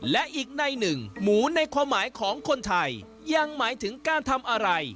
และอีกในหนึ่งหมูในความหมายของคนไทยยังหมายถึงการทำอะไร